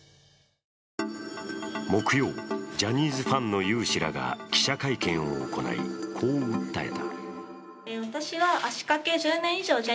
木曜、ジャニーズファンの有志らが記者会見を行いこう訴えた。